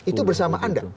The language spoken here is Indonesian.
itu bersamaan nggak